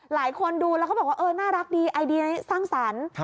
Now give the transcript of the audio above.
หลายคนดูแล้วก็บอกว่าเออน่ารักดีไอเดียนี้สร้างสรรค์